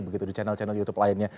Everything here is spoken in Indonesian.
begitu di channel channel youtube lainnya